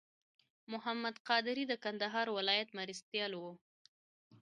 محمد قادري د کندهار ولایت مرستیال و.